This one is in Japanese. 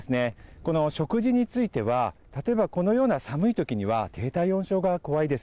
この食事については、例えばこのような寒いときには、低体温症が怖いです。